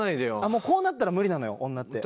もうこうなったら無理なのよ女って。